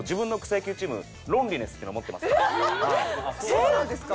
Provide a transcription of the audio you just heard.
そうなんですか？